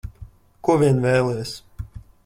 Ko vien vēlies.